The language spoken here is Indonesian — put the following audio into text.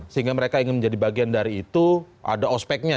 sehingga mereka ingin menjadi bagian dari itu ada ospeknya